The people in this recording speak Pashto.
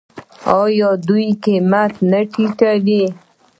آیا دوی قیمت نه ټیټوي؟